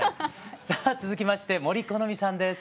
さあ続きまして杜このみさんです。